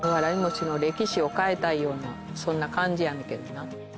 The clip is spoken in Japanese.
そんな感じやねんけどな。